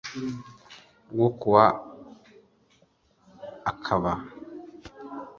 Rwo ku wa akaba